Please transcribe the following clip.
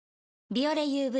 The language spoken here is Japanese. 「ビオレＵＶ」